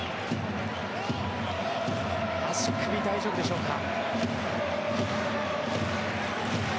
足首、大丈夫でしょうか？